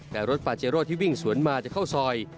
แต่รถปาเจโร่ที่วิ่งสวนมาจะเข้าซอย